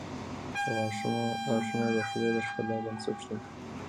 • غاښونه د خولې د ښکلا بنسټ دي.